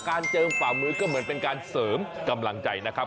เจิมฝ่ามือก็เหมือนเป็นการเสริมกำลังใจนะครับ